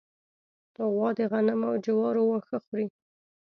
غوا د غنمو او جوارو واښه خوري.